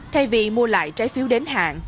thay vì mua lại trái phiếu đến hạn